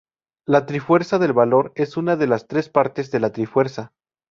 La Trifuerza del Valor es una de las tres partes de la Trifuerza.